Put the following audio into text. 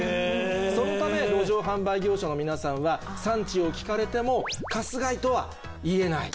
そのため路上販売業者の皆さんは産地を聞かれても春日居とは言えない。